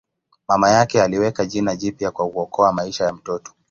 Mama yake aliweka jina jipya kwa kuokoa maisha ya mtoto.